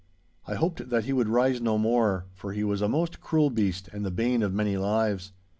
I hoped that he would rise no more, for he was a most cruel beast and the bane of many lives.